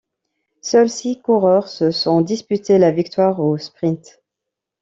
Seuls six coureurs se sont disputés la victoire au sprint.